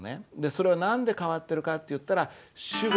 それは何で変わってるかっていったらへえ。